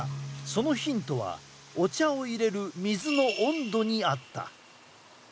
そのヒントはお茶をいれる水の温度にあった。